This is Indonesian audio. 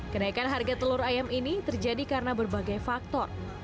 kenaikan harga telur ayam ini terjadi karena berbagai faktor